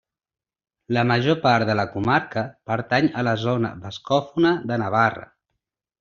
La major part de la comarca pertany a la zona bascòfona de Navarra.